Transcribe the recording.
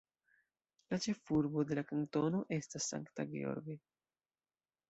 La ĉefurbo de la kantono estas St. George.